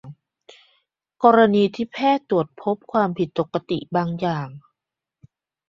กรณีที่แพทย์ตรวจพบความผิดปกติบางอย่าง